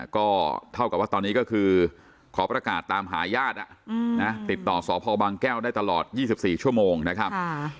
ก็เท่ากับว่าตอนนี้ก็คือขอประกาศตามหาญาติติดต่อสพบางแก้วได้ตลอด๒๔ชั่วโมงนะครับ